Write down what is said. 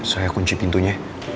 saya kunci pintunya